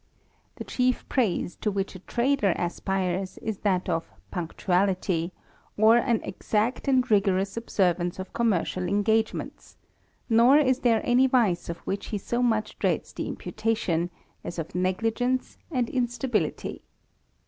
The chief praise to which a trader aspires is that of 198 THE RAMBLER. punctuality,* or an exact and rigorous observance of commercial engagements ; nor is there any vice of which he so much dreads the imputation, as of negligence and instability.